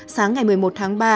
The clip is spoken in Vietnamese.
sáng ngày một mươi một tháng ba